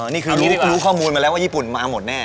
นี่คือรู้ข้อมูลมาแล้วว่าญี่ปุ่นมาหมดแน่